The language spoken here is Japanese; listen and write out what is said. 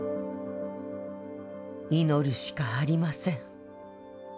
祈るしかありません。